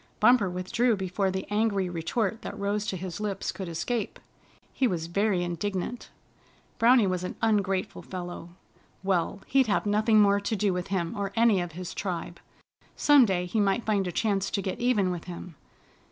Bumper withdrew before the angry retort that rose to his lips could escape. He was very indignant. Browny was an ungrateful fellow. Well, he'd have nothing more to do with him or any of his tribe. Some day he might find a chance to get even with him.